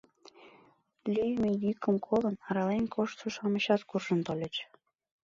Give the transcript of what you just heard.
Лӱйымӧ йӱкым колын, арален коштшо-шамычат куржын тольыч.